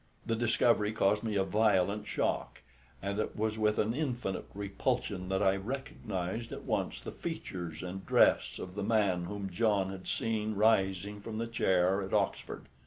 The discovery caused me a violent shock, and it was with an infinite repulsion that I recognised at once the features and dress of the man whom John had seen rising from the chair at Oxford.